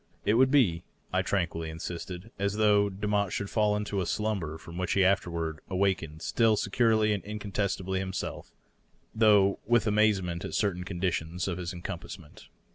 It would be, I tranquilly insisted, as though Demotte should fall into a slumber from which he afterward awaked still securely and incontestably him self, though with amazement at certain conditions of encompassment.